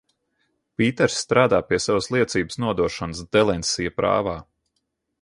Pīters strādā pie savas liecības nodošanas Delensija prāvā?